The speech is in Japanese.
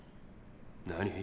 何？